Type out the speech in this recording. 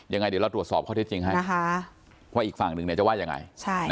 ยังไงเดี๋ยวเราตรวจสอบข้อเท็จจริงให้ว่าอีกฝั่งหนึ่งเนี่ยจะว่ายังไง